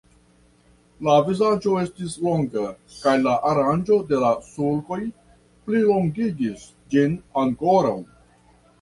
La vizaĝo estis longa, kaj la aranĝo de la sulkoj plilongigis ĝin ankoraŭ.